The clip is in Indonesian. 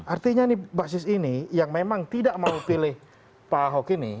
artinya ini basis ini yang memang tidak mau pilih pak ahok ini